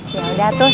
ya udah tuh